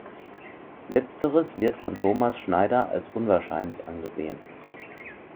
Letzteres wird von Thomas Schneider als unwahrscheinlich angesehen.